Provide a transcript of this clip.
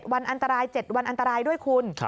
วันอันตราย๗วันอันตรายด้วยคุณ